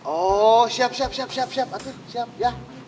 oh siap siap siap siap siap aku siap ya